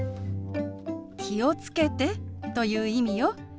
「気をつけて」という意味よ。